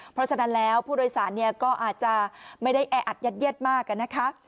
เพราะฉะนั้นแล้วผู้โดยสารเนี่ยก็อาจจะไม่ได้แออัดยัดเยียดมากนะคะ